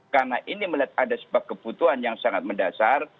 karena ini melihat ada sebagian kebutuhan yang sangat mendasar